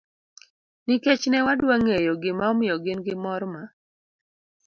Nikech ne wadwa ng'eyo gima omiyo gin gi mor ma